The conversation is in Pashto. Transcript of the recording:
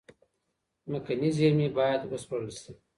ځمکني زېرمي بايد و سپړل سي.